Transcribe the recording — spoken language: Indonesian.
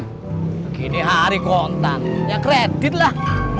begini hari kontan ya kredit lah